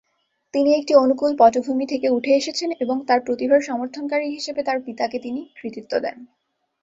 তিনি একটি অনুকূল পটভূমি থেকে উঠে এসেছেন এবং তার প্রতিভার সমর্থনকারী হিসাবে তার পিতাকে তিনি কৃতিত্ব দেন।